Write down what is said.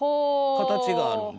形があるんで。